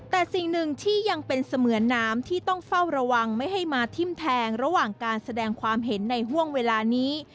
แต่สิ่งหนึ่งที่ยังเป็นเสมือนน้ำที่ต้องเฝ้าระวังไม่ให้มาทิ้มแทงระหว่างการแสดงความเห็นในห่วงเวลานี้